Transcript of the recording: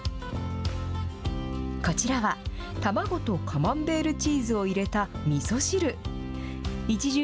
こちらは、卵とカマンベールチーズを入れたみそ汁。